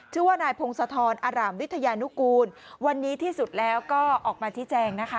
ชื่อว่านายพงศธรอร่ามวิทยานุกูลวันนี้ที่สุดแล้วก็ออกมาชี้แจงนะคะ